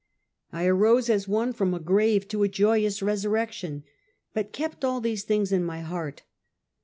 I arose as one from a grave to a joyous resurrection; but kept all these things in my heart.